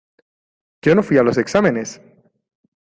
Yo no fuí a los exámenes.